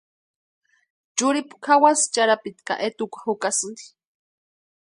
Churhipu kʼawasï charhapiti ka etukwa jukasïnti.